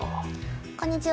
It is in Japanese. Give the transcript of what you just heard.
こんにちは。